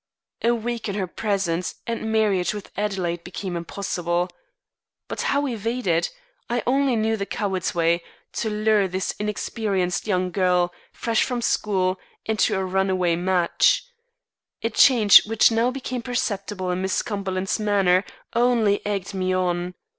A week in her presence, and marriage with Adelaide became impossible. But how evade it? I only knew the coward's way; to lure this inexperienced young girl, fresh from school, into a runaway match. A change which now became perceptible in Miss Cumberland's manner, only egged me on.